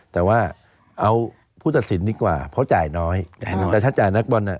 แต่ว่าเอาผู้ตัดสินดีกว่าเพราะจ่ายน้อยแต่ถ้าจ่ายนักบอลน่ะ